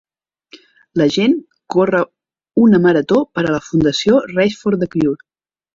La gent corre una marató per a la Fundació Race for the Cure.